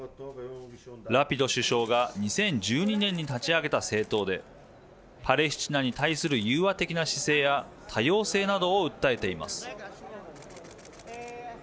ラピド首相が２０１２年に立ち上げた政党でパレスチナに対する融和的な姿勢や多様性などを訴えています。